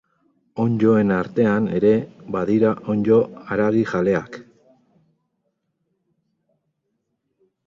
Onddoen artean ere badira onddo haragijaleak.